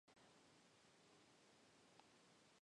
Los monjes que aún vivían allí eran de la escuela mahāyāna.